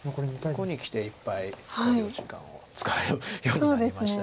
ここにきていっぱい考慮時間を使うようになりました。